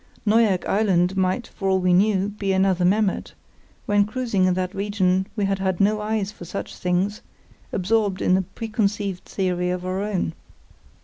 Neuerk Island might, for all we knew, be another Memmert; when cruising in that region we had had no eyes for such things, absorbed in a preconceived theory of our own.